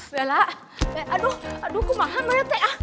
bella aduh aduh kumahan banyak teh